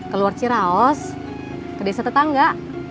keluar ciraos ke desa tetangga